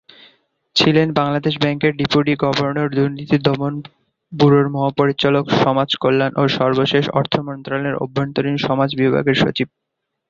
ছিলেন বাংলাদেশ ব্যাংকের deputy governor, দুর্নীতি দমন ব্যুরোর মহাপরিচালক, সমাজ কল্যাণ ও সর্বশেষ অর্থ মন্ত্রণালয়ের আভ্যন্তরীন সম্পদ বিভাগের সচিব।